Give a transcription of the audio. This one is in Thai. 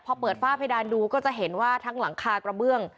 พอเปิดฝ้าเพดานดูก็จะเห็นว่าทั้งหลังคากระเบื้อง